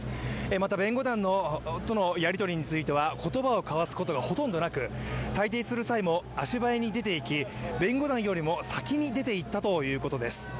また、弁護団とのやり取りについては言葉を交わすことがほとんどなく退廷する際も足早に出て行き弁護団よりも先に出ていったということです。